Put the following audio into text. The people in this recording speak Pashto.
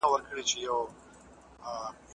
په يوازي ځان قلا ته ور روان سو